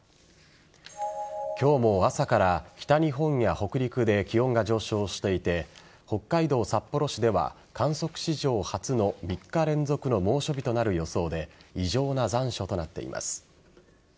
今日も朝から、北日本や北陸で気温が上昇していて北海道札幌市では、観測史上初の３日連続の猛暑日となる予想で異常な残暑となっています。